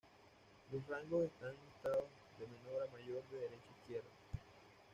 Los rangos están listados de menor a mayor de derecha a izquierda.